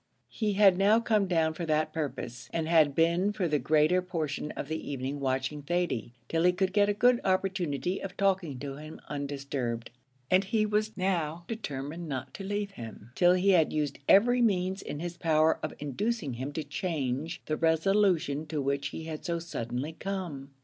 He had now come down for that purpose, and had been for the greater portion of the evening watching Thady, till he could get a good opportunity of talking to him undisturbed; and he was now determined not to leave him, till he had used every means in his power of inducing him to change the resolution to which he had so suddenly come.